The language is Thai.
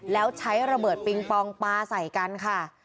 แล้วใช้ระเบิดปิงปองปลาใส่กันค่ะ